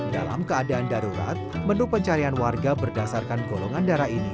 dalam keadaan darurat menu pencarian warga berdasarkan golongan darah ini